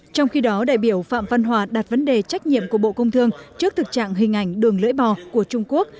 trong khi đó đại biểu phạm văn hòa đặt vấn đề trách nhiệm của bộ công thương trước thực trạng hình ảnh đường lưỡi bò của trung quốc